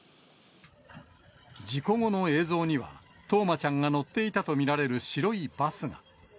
事故後の映像には、冬生ちゃんが乗っていたと見られる白いバスが。